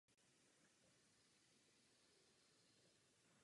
Směrem do zahrady je galerie.